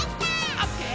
「オッケー！